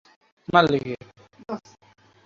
যদিও তখন রাস্তাটি কাঁচা সড়ক হিসেবেই বিদ্যমান ছিল।